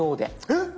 えっ？